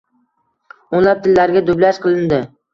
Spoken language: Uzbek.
O’nlab tillarga dublyaj qilindi